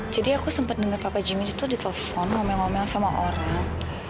jadi aku sempat denger papa jimi itu ditelepon ngomel ngomel sama orang